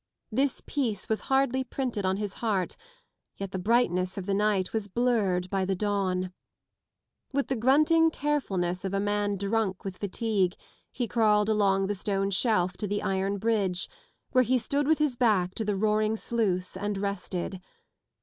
This peace was hardly printed on his heart, yet the brightness of the night was blurred by the dawn. With the grunting carefulness of a man drunk with fatigue, he crawled along the stone shelf to the iron bridge, where he stood with his back to the roaring sluice and rested.